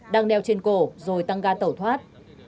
đang đeo trên cổ rồi tăng ga tẩu thoát